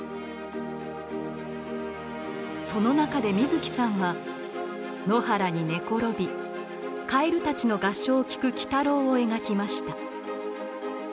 その中で水木さんは野原に寝転びカエルたちの合唱を聴く「鬼太郎」を描きました。